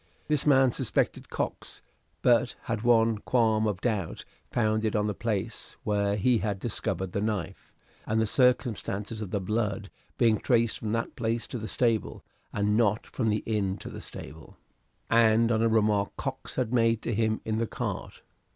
This man suspected Cox, but had one qualm of doubt founded on the place where he had discovered the knife, and the circumstance of the blood being traced from that place to the stable, and not from the inn to the stable, and on a remark Cox had made to him in the cart.